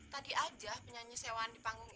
tadi aja penyanyi sewandi itu menang juga kan